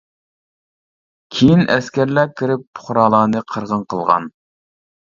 كېيىن ئەسكەرلەر كىرىپ پۇقرالارنى قىرغىن قىلغان.